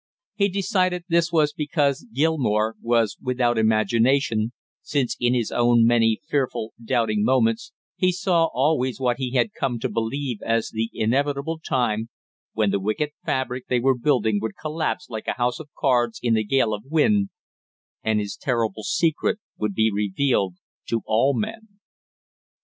He decided this was because Gilmore was without imagination, since in his own many fearful, doubting moments, he saw always what he had come to believe as the inevitable time when the wicked fabric they were building would collapse like a house of cards in a gale of wind, and his terrible secret would be revealed to all men.